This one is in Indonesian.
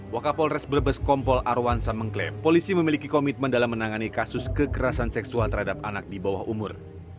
wakapolres brebes kompol arwansa mengklaim polisi memiliki komitmen dalam menangani kasus kekerasan seksual terhadap anak di bawah umur